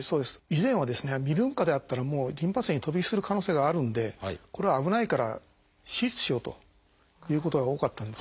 以前はですね未分化であったらもうリンパ節へ飛び火する可能性があるんでこれは危ないから手術しようということが多かったんですね。